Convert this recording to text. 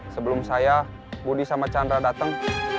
sebelum saya budi sama chandra datang